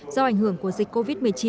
do ảnh hưởng của dịch covid một mươi chín